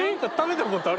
あ！